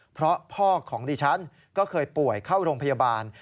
เพราะพ่อของดิฉันก็เคยป่วยเข้าโรงพยาบาล